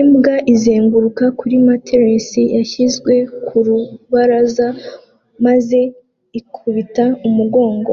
Imbwa izunguruka kuri matelas yashyizwe ku rubaraza maze ikubita umugongo